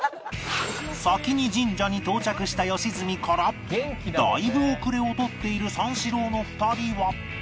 先に神社に到着した良純からだいぶ後れを取っている三四郎の２人は